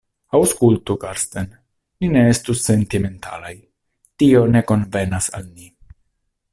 Aŭskultu, Karsten, ni ne estu sentimentalaj; tio ne konvenas al ni.